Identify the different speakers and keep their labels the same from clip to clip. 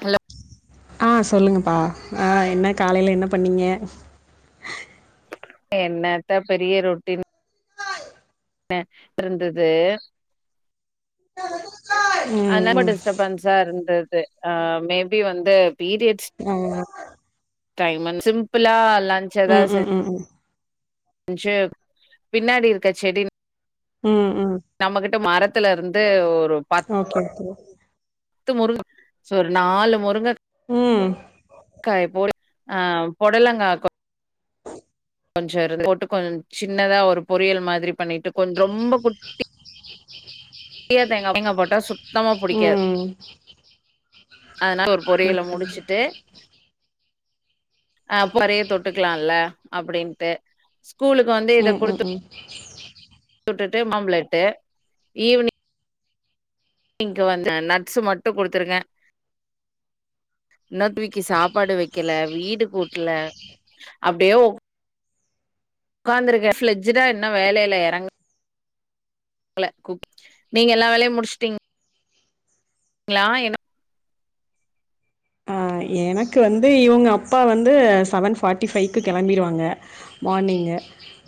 Speaker 1: Hello
Speaker 2: ஆ சொல்லுங்கப்பா ஆ என்ன காலைல என்ன பண்ணீங்க?
Speaker 1: என்னத்த பெரிய ரொட்டீன் னு இருந்துது.
Speaker 2: ம்
Speaker 1: ஆனா பட்
Speaker 2: ம்
Speaker 1: ஸ் டிஸ்டபர்ன்சா இருந்துது ஆ மே பி வந்து பீரியட்ஸ்
Speaker 2: ஆ
Speaker 1: டைமுன்னு சிம்பிளா
Speaker 2: ம் ம் ம் ம்
Speaker 1: சு பின்னாடி இருக்க செடிங்
Speaker 2: ம் ம்
Speaker 1: நம்மகிட்ட மரத்துல இருந்து பத்து
Speaker 2: ஓகே ஓகே
Speaker 1: முருங்க சரி நாலு முருங்க
Speaker 2: ம்
Speaker 1: காயப்போ அ பொடலங்கா கொஞ்சோ இது போட்டு கொஞ் சின்னதா ஒரு பொரியல் மாரி பண்ணிட்டு ரொம்ப குட்டி நெறைய தேங்கா தேங்கா போட்டா சு சுத்தமா புடிக்காது
Speaker 2: ம்
Speaker 1: அதனால ஒரு
Speaker 2: ம்
Speaker 1: பொரியல முடிச்சிட்டு அ பொரியல் தொட்டுக்கலாம்ல அப்டின்னு தே ஸ்கூலுக்கு வந்து இத
Speaker 2: ம் ம்
Speaker 1: குடுத்து
Speaker 2: [inaudible]
Speaker 1: விட்டுட்டு மாம் பிளேட்டு ஈவினிங் இங்க வந்து நட்ஸ் மட்டும் குடுத்துருக்கன் இன்னதுக்கி சாப்பாடு வைக்கல வீடு கூட்டல அப்டியே உக்காந்துருக்கேன் ஃப்ளட்ஜுடா இன்னும் வேலையில இறங்க ல நீங்க எல்லா வேலையும் முடிச்சுட்டீங் களா என்ன
Speaker 2: ஆ எனக்கு வந்து இவுங்க அப்பா வந்து செவன் ஃபார்ட்டி ஃபைவ்க்கு கிளம்பிருவாங்க மார்னிங்கு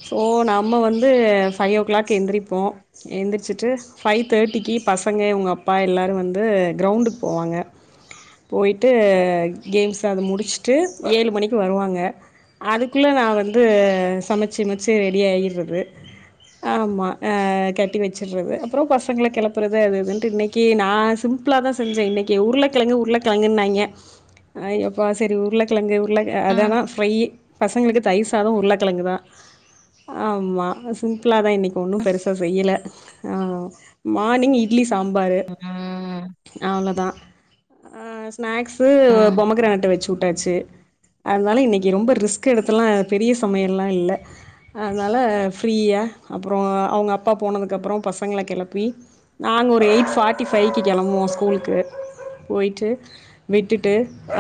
Speaker 2: சோ நம்ம வந்து ஃபைவ் ஓ கிளாக் எந்திரிப்போம் எந்திரிச்சிட்டு ஃபைவ் தேர்ட்டிக்கு பசங்க இவுங்க அப்பா எல்லாரு வந்து க்ரௌண்டுக்கு போவாங்க போயிட்டு கேம்ஸ் அத முடிச்சுட்டு ஏழு மணிக்கு வருவாங்க அதுக்குள்ள நான் வந்து சமைச்சிமைச்சு ரெடி ஆகிடுறது ஆமாம் கட்டி வச்சுடுறது அப்புறம் பசங்கள கிளப்புறது அது இதுன்ட்டு இன்னைக்கி நா சிம்பிளா தான் செஞ்சேன் இன்னைக்கி உருள கிழங்கு உருளகிழங்கின்னாங்க ஐய் அப்பா சரி உருளைக்கிழங்கு இல்லங்க அத
Speaker 1: ம்.
Speaker 2: தான் ஃப்ரையி பசங்களுக்கு தயிர் சாதம் உருளக்கிழங்கு தா ஆம்மா சிம்பிளா தா இன்னைக்கு ஒன்னும் பெருசா செய்யல அ மார்னிங் இட்லி சாம்பாரு
Speaker 1: ம்,
Speaker 2: அவ்ளோ தா அ ஸ்னாக்ஸ் க்கு
Speaker 1: ம்.
Speaker 2: போமோ கிரானைட் வச்சு விட்டாச்சி அதனால இன்னைக்கி ரொம்ப ரிஸ்க்கு எடுத்து எல்லா பெரிய சமையல் எல்லா இல்ல அதனால ஃப்ரீயா அப்றோ அவுங்க அப்பா போனதுக்கப்புறம் பசங்கள கிளப்பி நா ஒரு எயிட் போர்டி பைவ்க்கு கிளம்புவோம் ஸ்கூலுக்கு போயிட்டு விட்டுட்டு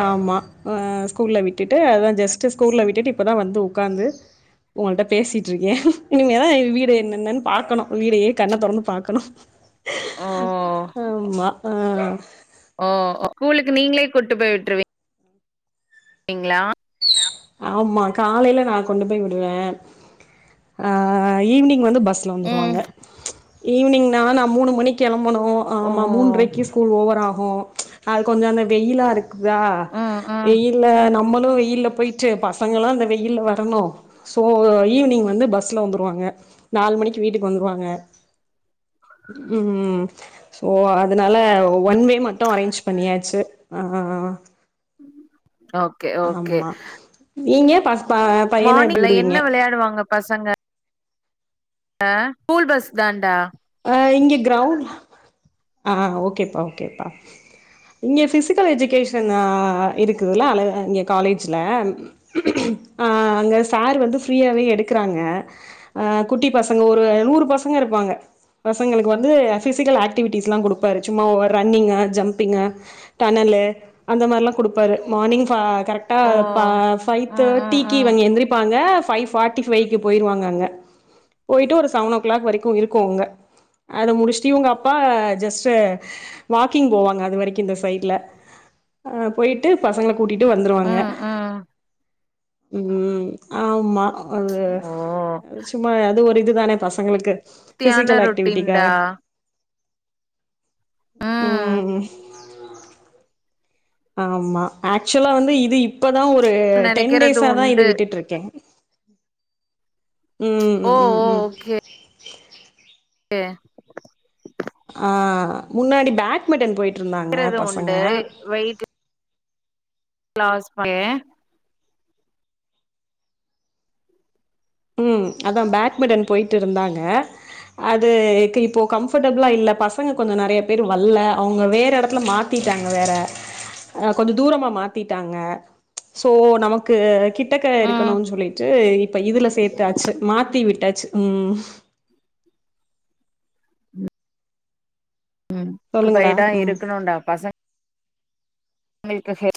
Speaker 2: ஆமா அ ஸ்கூல்ல விட்டுட்டு அதான் ஜஸ்ட்ட் ஸ்கூல்ல விட்டுட்டு இப்ப தா வந்து உக்காந்து உங்க கிட்ட பேசிட்டு இருக்கேன் இனிமே தா வீடு என்னென்னன்னு பாக்கணும் வீடய்யே கண்ண தெறிந்து பாக்கணும்
Speaker 1: ஓ,
Speaker 2: ஆமா ஆ ந [unintelligible]
Speaker 1: ஓ ஸ்கூலுக்கு நீங்களே கூட்டிட்டு போய் விட்டுருவி ங்களா
Speaker 2: ஆமா காலையில நா கொண்டு போய் விடுவேன் ஆ ஈவ்னிங் வந்து ப பஸ்ல
Speaker 1: ம்.
Speaker 2: வந்துருவாங்க ஈவ்னிங்னா நா மூணு மணி கிளம் பனும்
Speaker 1: ஓ,
Speaker 2: ஆமா மூன்றரைக்கு ஸ்கூல் ஓவர் ஆ கும் அது கொஞ்ச அந்த வெயிலா இருக்குதா
Speaker 1: ம், ம்.
Speaker 2: வெயில நம்ம [unintelligible] வெயில போயிட்டு பசங்களா இந்த வெயில்ல வரணும் சோ ஈவ்னிங் வந்து பஸ்ல வந்துருவாங்க நாலு மணிக்கு வீட்டுக்கு வந்துருவாங்க ம் சோ அதனால ஒன் வே மட்டும் அரேஞ்ச் பண்ணியாச்சு ஆ
Speaker 1: ம் ஓகே ஓகே
Speaker 2: ஆமா நீங்க பாஸ் ப பையன எப்டி
Speaker 1: மார்னிங்ல என்ன
Speaker 2: உடுவிங்க
Speaker 1: பசங்க அ ஸ்கூல் பஸ் தான்டா
Speaker 2: அ இங்க கிரவுண் ஆ ஓகேப்பா ஓகேப்பா இங்க பிசிக்கல் எஜுகேஷன் அ இருக்குதுல இங்க காலேஜ்ல அங்க சார் வந்து ஃப்ரீயாகவே எடுக்கறாங்க குட்டி பசங்க ஒரு நூறு பசங்க இருப்பாங்க பசங்களுக்கு வந்து ஃபிசிக்கல் ஆக்டிவிட்டிஸ்லா குடுப்பாரு சும்மா ரன்னிங்கு ஜம்பிங்கு டனலு அந்த மாரிலா குடுப்பாரு மார்னிங்பா கரெக்டா
Speaker 1: ஓ. ம், ம்,
Speaker 2: ஃபைதேட்டிக்கு
Speaker 1: ம்.
Speaker 2: இவுங் எந்திரிப்பாங்க ஃபைவ் ஃபாட்டி ஃபைவ்க்கு போயிருவாங்க அங்க போயிட்டு ஒரு செவன் ஓ கிளாக் வரிக்கு இருக்கு அங்க அத முடிச்சுட்டு இவுங்க அப்பா ஜஸ்ட் வாக்கிங் போவாங்க அது வரைக்கு இந்த சைடுல போயிட்டு பசங்களக் கூட்டிட்டு வந்துருவாங்க
Speaker 1: ம், ம்.
Speaker 2: ம் ஆமா அது
Speaker 1: ஓ.
Speaker 2: சும்மா அது ஒரு இதுதான பசங்களுக்கு
Speaker 1: தியான
Speaker 2: ஃபிசிக்கல்
Speaker 1: ரொட்
Speaker 2: ஆக்டிவிட்டிக்காக
Speaker 1: டின்டா
Speaker 2: ம் ஆமா ஆக்சுலா வந்து இது இப் இப்பதா ஒரு டென்
Speaker 1: நெனைக்கிறது
Speaker 2: டேஸாதா
Speaker 1: உண்டு
Speaker 2: இது விட்டுட்டு இருக்க ம் ம்ம்
Speaker 1: ஓ
Speaker 2: ம் ம் ம் [unintelligible]
Speaker 1: எ
Speaker 2: ஆ முன்னாடி பேட்மிட்டன் போயிட்
Speaker 1: வேற எது உண்டு வெயிட்டு க்ளாஸ் பொண்ணு
Speaker 2: ம் அதா பேட்மிட்டன் போயிட்டு இருந்தாங்க அது க் இப்போ கம்ஃர்டபுளா இல்ல பசங்க கொஞ்சோ நறைய பேர் வல்ல அவங்க வேற எடத்துல மாத்திட்டாங்க வேற கொஞ்சோ தூரமா மாத்திட்டாங்க ம்ச் சோ நமக்கு கிட் டக்க
Speaker 1: ம்
Speaker 2: இருக்கணுன் சொல்லிட்டு இப்ப இதுலஸ் விட்டாச்சு மாத் த்தி விட்டாச்சு ம்
Speaker 1: ம்
Speaker 2: சொல்லுங்கடா
Speaker 1: பயிடா
Speaker 2: ம்
Speaker 1: இருக்குணுன்டா பசங் ளுக்கு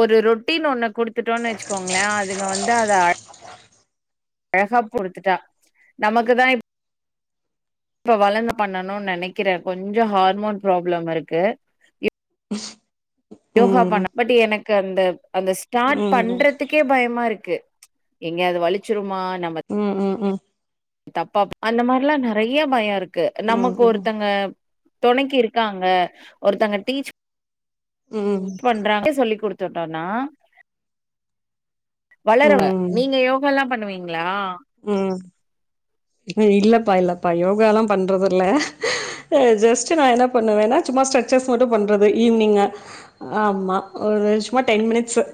Speaker 1: ஒரு ரொட்டின் ஒண்ணு குடுத்துட்டோன்னு வெச்சுக்கோங்களே அதுங்க வந் த அத அழகா புடுத்துட்டா நமக்குதா இப் இப்ப வளர்ந்து பண்ணணும்னு நினைக்கிறேன் கொஞ்சம் ஹார்மோன் பராப்ளம் இருக்கு
Speaker 2: [unintelligible]
Speaker 1: யோகா
Speaker 2: ம்
Speaker 1: பண்ண பட் எனக் கண்ட அந்த ஸ்டார்ட்
Speaker 2: ம்
Speaker 1: பண்றதுக்கே பயமாரு க்கு எங்க அது வலிச்சுருமா நம்ப
Speaker 2: ம் ம் ம்
Speaker 1: தப்பா அந்த மார்லா நறய பயருக் கு
Speaker 2: ம்
Speaker 1: நமக்கு
Speaker 2: ம்
Speaker 1: ஒருத்தங்க துணைக்கி இருக்காங்க ஒருத்தங்க டீச்
Speaker 2: ம் ம்
Speaker 1: பண்றாங்க சொல்லி குடு சொட்டோனா வளரவ
Speaker 2: ம்
Speaker 1: நீங்க யோகாலா பண்ணுவி ங்களா
Speaker 2: ம் இல்லபா இல்லபா யோகாலா பண்றதில்ல ஜஸ்ட் நா என்னா பண்ணுவேனா சும்மா ஸ்ரச்சஸ் மட்டு பண்றது ஈவ்னிங் ஆமா ஒரு சும்மா டென் மினிட்ஸ்சு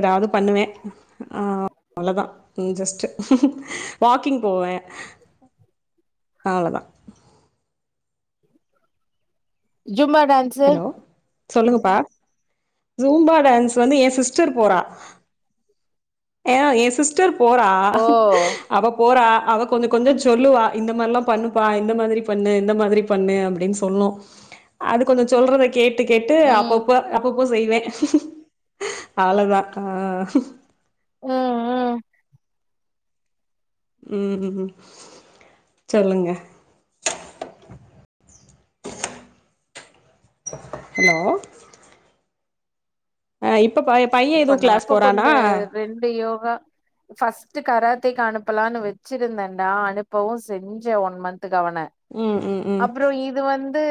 Speaker 2: ஏதாது பண்ணுவே ஆ அவ்ளதா ஜஸ்ட் வாக்கிங் போவே அவ்ளதா
Speaker 1: ஜும்மா டான்ஸ்சு
Speaker 2: ஹலோ சொல்லுங்கப்பா ஜும்பா டான்ஸ் வந்து என் சிஸ்டர் போறா ஏ என் சிஸ்டர் போறா
Speaker 1: ஓ
Speaker 2: அவப்போறா அவ கொஞ்ச கொஞ்ச சொல்லுவா இந்த மார்லா பண்ணுப்பா இந்த மாதிரி பண்ணு இந்த மாதிரி பண்ணு அப்டின் சொல்லும் அது கொஞ்ச சொல்றத கேட்டு கேட்டு
Speaker 1: ம்
Speaker 2: அப்பப்ப அப்ப ப்போ செய்வேன் அவளதான் ஆ
Speaker 1: ம் ம்
Speaker 2: உம் சொல்லுங்க ஹலோ ஆ இப்
Speaker 1: பண்ணுவ இப்பந்து ரெண்டு யோகா ஃபஸ்ட்ட் கராத்தக்கு அனுப்பலாம்னு வச்சிருந்தேன்டா அனுப்பவும் செஞ்சேன் ஒன் மந்த் ட்டுகவன
Speaker 2: ம் ம் ம்
Speaker 1: அப்பற இது வந்து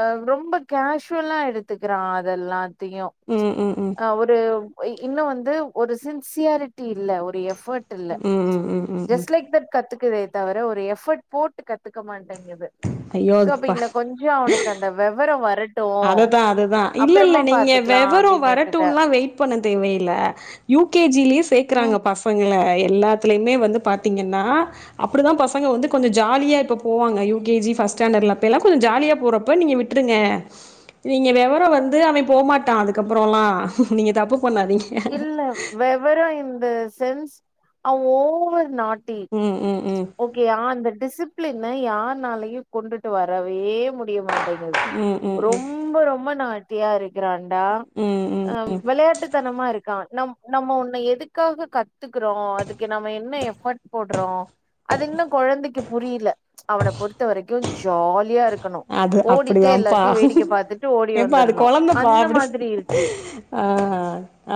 Speaker 1: அ ரொம்ப கேஷ்வலா எடுத்துக்கறா அதல்லா த்தும்
Speaker 2: ம் ம் ம்
Speaker 1: ஆ ஒரு [unintelligible] இ இன்னு வந்து ஒரு சின்சியாரிட்டி இல்ல ஒரு எஃப் போட்டுல்ல
Speaker 2: ம் ம் ம் ம் ம்
Speaker 1: ஜஸ்ட் லைக் தட் கத்து க்குதே தவிர ஒரு எஃபர்ட் போட்டு கத்துக்க மாட்டேங்குது
Speaker 2: ஐயோ
Speaker 1: சோ அப்ப இன்ன கொஞ்ச அவனுக்கு அந்த வெவர வரட்
Speaker 2: அததா அதுதா இல்ல இல்ல நீங்க
Speaker 1: பாத்துக்கலா
Speaker 2: வெவர
Speaker 1: அப்டின்னு விட்டுட்ட
Speaker 2: வரட்டுன்லா வெ யிட் பண்ண தேவையில்ல யூ கே ஜி லயே
Speaker 1: ம்
Speaker 2: சேக்கறாங்க பசங்கள எல்லாத்துலயுமே வந்து பாத்திங்கன்னா அப்டிதா பசங்க வந்து கொஞ்ச ஜாலியா இப்ப போவாங்க யூ கே ஜி ஃபஸ்ட் ஸ்டாண்டல்லா இப்பலா கொஞ்ச ஜாலியா போறப்ப நீங்க விட்ருங்க. நீங்க வெவரோ வந்து அவே போமாட்டா அதுக்கப்புறலா நீங்க தப்பு பண்ணாதீங்க.
Speaker 1: இல்ல வெவரோ இந்த சென்ஸ் அவ ஓவர் நாட் டி
Speaker 2: ம், ம், ம்.
Speaker 1: ஓகேயா அந்த டிசிப்ளின் மே யார்னாலயு கொண்டுட்டு வரவே முடியமா ட்டிங்குது
Speaker 2: ம், ம், ம்.
Speaker 1: ரொம்ப ரொம்ப நா ட்டியா இரு க்கராண்டா
Speaker 2: ம், ம்.
Speaker 1: ஆ வெளையாட்டுத்தன இருக்கா நம் நம்ம ஒண்ண எதுக்காக கத்துக்கறோ அதுக்கு நம்ம என்ன எஃபர்ட் போட்றோ அது இன்னு கொழந்தைக்கு புரியல அவன பொறுத்தவரைக்கு ஜாலியா இருக்
Speaker 2: அது அப்டிதாம்ப்பா
Speaker 1: பாத்துட்டு ஓடி
Speaker 2: ஏப்பா அது
Speaker 1: வந்துரணு
Speaker 2: கொழந்தப்பா
Speaker 1: அந்த
Speaker 2: அப்டி
Speaker 1: மாதிரி இருக்கு
Speaker 2: ஆ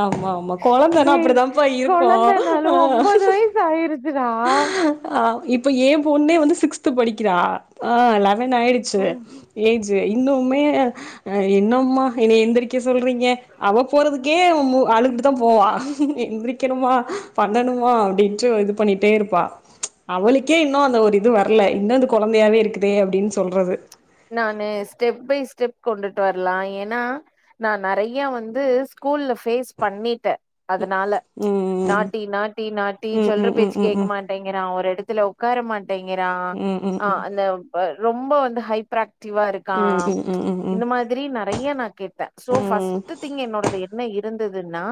Speaker 2: ஆமா ஆமா கொழந்தனா
Speaker 1: டேய்
Speaker 2: அப்பிடிதாம்ப்பா இருக்கு
Speaker 1: கொழந்தனாலு
Speaker 2: ஆ.
Speaker 1: ஒம்போது வயசு ஆயிருச்சுடா
Speaker 2: அ இப்ப ஏன் பொண்ணே வந்து சிக்ஸ்த் படிக்கிறா ஆ லெவன் ஆ ச்சு
Speaker 1: ம்
Speaker 2: ஏஜு இ ன்னுமே அ என்னம்மா என்ன எந்திரிக்க சொல்றீங்க அவ போறதுக்கே மு அழுதுட்டுதா போவா எந்திரிக்கணுமா பண்ணணுமா அப்டின்ட்டு இது பண்ணிட்டே இருப்பா அவளுக்கே இன்னு அந்த ஒரு இது வரல இன்னு இந்த கொழந்தையாவே இருக்குதே அப்டின் சொல்றது.
Speaker 1: நானு ஸ்டெப் பை ஸ்டெப் கொண்டுட்டு வர்லா ஏன்னா நா நெறயா வந்து ஸ்கூல்ல ஃபேஸ் பண்ணிட்டே அதனால
Speaker 2: ம் ம்
Speaker 1: நாட்டி நாட்டி நாட்டி
Speaker 2: ம்
Speaker 1: சொல்ற
Speaker 2: ம் ம் ம்
Speaker 1: பேச்சு கேக்க
Speaker 2: ம் ம்
Speaker 1: மாட்டேங்றா. ஒரு எடத்துல உக்கார மாட் டேங்கறா
Speaker 2: ம் ம் ம் ம் ம் ம் ம் ம் ம்
Speaker 1: ஆ
Speaker 2: ம்
Speaker 1: அந்த பர் ரொம்ப வந்து ஹை ப்பர் ஆக்டிவா இருக்கா இந்த மாதிரி நெறைய நா கேட்டே. சோ ஃபஷ்ட்டு திங் என்னோடது எ ன்ன இருந்தது துன்னா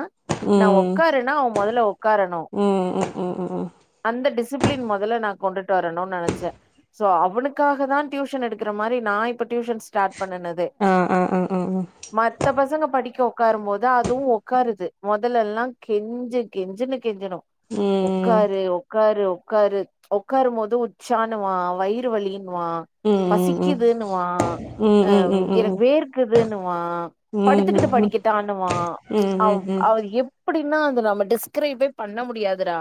Speaker 2: ம்
Speaker 1: நா ஒக்காருன்னா அவ மொதல்ல ஒக்காரனு.
Speaker 2: ம் ம் ம்
Speaker 1: அந்த டிசிப்ளின் மொதல்ல நா கொண்டுட்டு வரணுன்னு நெனைச்சே. சோ அவனுக்காகதா டியூஷன் எடுக்குற மாரி நா இப்ப டியூஷன் ஸ்டார்ட் பண்ணுனதே.
Speaker 2: ஆ ஆ ஆ ஆ ஆ
Speaker 1: மத்த பசங்க படிக்கு உக்காரும்போது அதுவு உக்காருது. மொதல்ல எல்லா கெஞ்சு கெஞ்சுனு கெஞ்சனு உக்கா
Speaker 2: ம்
Speaker 1: உக்காரு உக்காரு உக்காரும்போது உச்சான்னுவா வயிறு வலி ன்னுவா
Speaker 2: ம் ம் ம் ம்
Speaker 1: பசிக்குதுன்னுவா
Speaker 2: ம்
Speaker 1: ஆ
Speaker 2: ம் ம் ம் ம் ம் ம் ம் ம்
Speaker 1: எனக்கு வேர்க்குதுன்னுவா
Speaker 2: ம் ம் ம்
Speaker 1: படுத்துக்கிட்டு படிக்கிட்டான்னுவா
Speaker 2: ம்
Speaker 1: அவ் அவர் எ ப்படின்னா அத நம்ம டிஸ்கிரைபே பண்ண முடியாதுடா.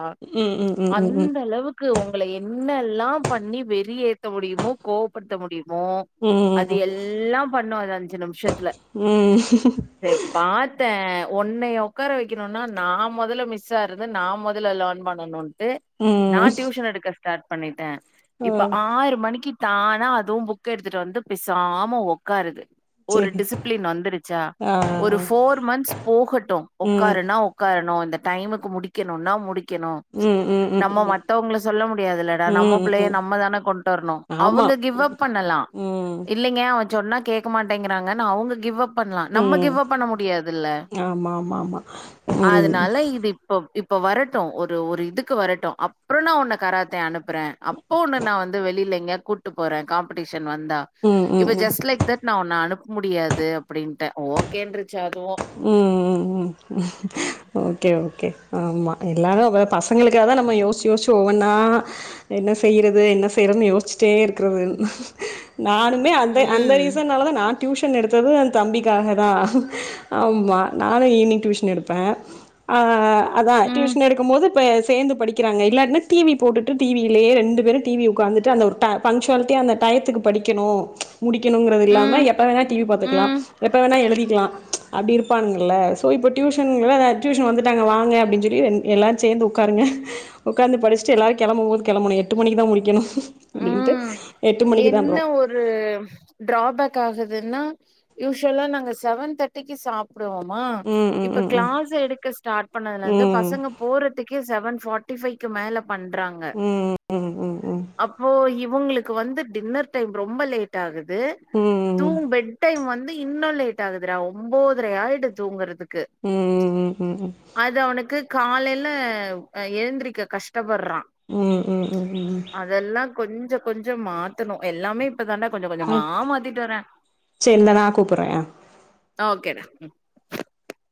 Speaker 1: அந்த அளவுக்கு உங்கள என் னல்லா பண்ணி வெறி ஏத்த முடியுமோ கோவப்படுத்த முடி யுமோ
Speaker 2: ம்
Speaker 1: அது எல்லா பண்ணு அது அஞ்சு நிமிஷத்துல
Speaker 2: ம்
Speaker 1: சரி பாத்தே ஒன்னைய உக்கார வைக்கணுன்னா நா மொதல்ல மிஸ்ஸா இருந்து நா மொதல்ல லேர்ன் பண் ணனுன் ட்டு நா
Speaker 2: ம்
Speaker 1: டியூஷன் எடுக்க ஸ்டாட் பண்ணிட்டே
Speaker 2: ஆ
Speaker 1: இப்ப ஆறு மணிக்கி தானா அதுவு புக் எடுத்துட்டு வந்து பேசாம உக்காருது. ஒரு
Speaker 2: சேரி
Speaker 1: டிசிப்ளின் வந்துருச்சா
Speaker 2: ஆ
Speaker 1: ஒரு ஃபோர் மந்த்ஸ் போகட்டு.
Speaker 2: ம் ம்
Speaker 1: உக்காருனா உக்காரணு இந்த டைமுக்கு முடிக்கணுன்னா முடிக்கணு.
Speaker 2: ம் ம் ம்
Speaker 1: நம்ம மத்தவங்கள சொல்ல முடியாதுல்லடா நம்ம
Speaker 2: ம்
Speaker 1: பிள்ளைய
Speaker 2: ம்
Speaker 1: நம்மதான கொண்ட்டு வரணு
Speaker 2: ஆமா
Speaker 1: அவங்க கிவ் அப் பண்ணலா
Speaker 2: ம்
Speaker 1: இல்லைங்க அவ சொன்னா கேக்க மாட்டேங்கிறாங்கன்னு அவங்க கிவ் அப் பண்லா நம்ம
Speaker 2: ம்
Speaker 1: கிவ் அப் பண்ண முடியாதல்ல?
Speaker 2: ஆமா ஆமா ஆமா ம்
Speaker 1: அதனால இது இப்ப இ ப்ப வரட்டு ஒ ரு ஒரு இதுக்கு வரட்டு அப்புற நா உன்ன கராத்தே அனுப்புறே அப் போ உன்ன நா வந்து வெளில எங்கயாது கூட்டு போறே காம்படீஷ ன் வந்தா
Speaker 2: ம் ம்
Speaker 1: இப்ப
Speaker 2: ம்
Speaker 1: ஜஸ்ட் லைக் தட் நா உன்ன அனுப் ப முடியாது அப்பிடின்ட்டே. ஓகேன்று
Speaker 2: ம் ம் ம் ஓகே ஓகே ஆமா எல்லாரு அப்ப பசங்களுக்காகதா நம்ம யோசிச்சு யோசிச்சு ஒவ்வொன்னா என்ன செய்யறது என்ன செய்யறதுன்னு யோசிச்சிட்டே இருக்கிறது நானுமே அந்த அந்த மாரி
Speaker 1: ம்
Speaker 2: ரீசன்லாதா நா டியூஷ ன் எடுத்தது ஏன் தம்பிக்காகதா. ஆமா நானு ஈவினிங் டியூஷன் எடுப்பே. அவ அதா
Speaker 1: ம்
Speaker 2: டியூஷன் எடுக்கும்போது இப்ப சேந்து படிக்கிறாங்க இல்லாட்டினா டிவி போட்டுட்டு டிவியிலயே ரெண்டு பேரும் டிவி உக்காந்துட்டு அந்த ஒரு ப பன்ச்சுவாலிட்டியா அந்த டயத்துக்கு படிக்கணு முடிக்கணுங்கறது இல்லாம
Speaker 1: ம்
Speaker 2: எப்போ வேண்ணா டிவி பாத்துக்கலா
Speaker 1: ம்
Speaker 2: எப்போ வேண்ணா எழுதிக்கலா அப்டி இருப்பானுங்கல்ல ஸோ இப்போ டியூஷன்ல அதா டியூஷன் வந்துட்டாங்க வாங்க அப்டின்னு சொல்லி என் எல்லாரு சேந்து உக்காருங்க உக்காந்து படிச்சுட்டு எல்லாரு கெளம்பும் போது கெளம்பணு எட்டு மணிக்குதா முடிக்கணு அப்டின்ட்டு
Speaker 1: ம்
Speaker 2: மணிக்கு தான்
Speaker 1: என்ன
Speaker 2: போவோம்.
Speaker 1: ஒரு டிராபேக் காகுதுன்னா யூஸ்வலா நாங்க செவன் தேர்ட்டிக்கு சா ப்டுவோமா
Speaker 2: ம் ம்
Speaker 1: இப்ப
Speaker 2: ம்
Speaker 1: கிளாஸ் எடுக்க ஸ்டார்ட் பண்ணதுல இருந்து
Speaker 2: ம்
Speaker 1: பசங்க போறதுக்கே செவன் ஃபார்டி ஃபைவ்க்கு மேல பண்றாங்க
Speaker 2: ம் ம் ம் ம்
Speaker 1: அப்போ இவ் வுங்களுக் கு வந்து டின்னர் டைம் ரொம்ப லேட் ஆகு து
Speaker 2: ம் ம் ம்
Speaker 1: தூங் பெட் டைம் வந்து இன்னு லேட் ஆகுதுரா ஒம்போதரை ஆயிடு தூங்கறது
Speaker 2: ம் ம் ம் ம் ம்
Speaker 1: காலைல அ எழுந்திரிக்க கஷ்டப்ப
Speaker 2: ம் ம் ம் ம்
Speaker 1: கொஞ்ச மாத்தணு எல்லாமே இப்பதாண்டா கொஞ்ச
Speaker 2: ஆ
Speaker 1: கொஞ்சமா மாத்திட்டு வரே
Speaker 2: சரி இந்தா நா கூப்புட்றே
Speaker 1: ஓகேடா. ம்